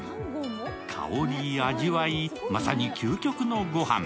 香り、味わいまさに究極ご飯。